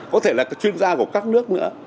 có thể là chuyên gia của các nước nữa